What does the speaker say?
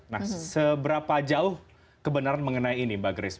nah seberapa jauh kebenaran mengenai ini mbak grace